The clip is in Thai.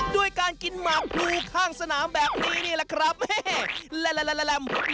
ด้วยการกินหมับบลูข้างสนามแบบนี้นี่แหละครับแหละไหมละครับ